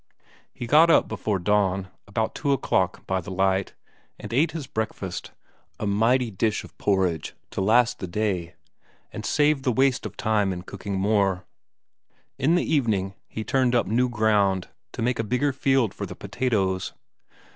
He got up before dawn, about two o'clock by the light, and ate his breakfast, a mighty dish of porridge to last the day, and save the waste of time in cooking more. In the evening he turned up new ground, to make a bigger field for the potatoes.